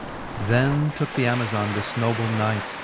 XX. Then tooke the Amazon this noble knight.